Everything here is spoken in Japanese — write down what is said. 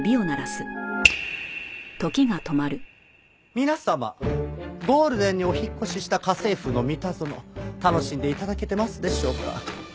皆様ゴールデンにお引っ越しした『家政夫のミタゾノ』楽しんで頂けてますでしょうか？